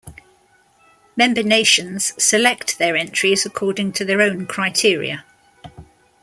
Member nations select their entries according to their own criteria.